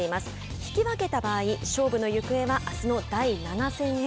引き分けた場合勝負の行方はあすの第７戦へ。